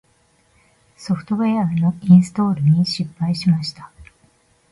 ソフトウェアのインストールに失敗しました。